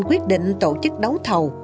quyết định tổ chức đấu thầu